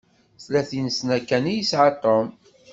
Tlatin-sna kan i yesεa Tom.